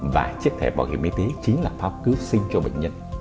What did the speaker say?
và chiếc thẻ bảo hiểm y tế chính là pháp cứu sinh cho bệnh nhân